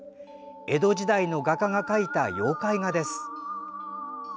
江戸時代の画家が描いた妖怪画です。